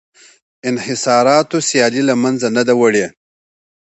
انحصاراتو سیالي له منځه نه ده وړې